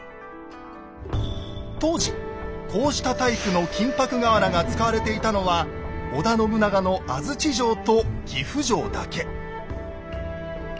当時こうしたタイプの金箔瓦が使われていたのは織田信長の安土城と岐阜城だけ。